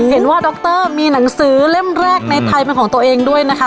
ดรมีหนังสือเล่มแรกในไทยเป็นของตัวเองด้วยนะคะ